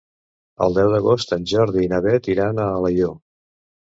El deu d'agost en Jordi i na Beth iran a Alaior.